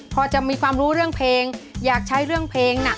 พอจะมีความรู้เรื่องเพลงอยากใช้เรื่องเพลงน่ะ